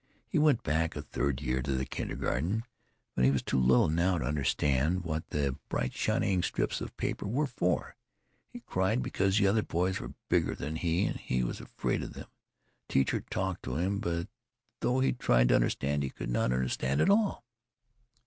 He went back a third year to the kindergarten, but he was too little now to understand what the bright shining strips of paper were for. He cried because the other boys were bigger than he, and he was afraid of them. The teacher talked to him, but though he tried to understand he could not understand at all.